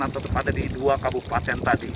tetap ada di dua kabupaten tadi